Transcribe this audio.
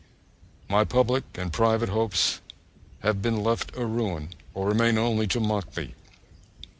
My public and private hopes have been left a ruin, or remain only to mock me.